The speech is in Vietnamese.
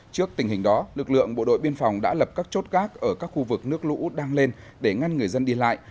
trước tình hình đó lực lượng bộ đội biên phòng đã lập các chốt gác ở các khu vực nước lũ đang lên để ngăn người dân đi lại